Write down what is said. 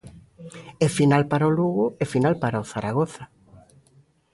E final para o Lugo e final para o Zaragoza.